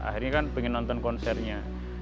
akhirnya kan pengen nonton konsernya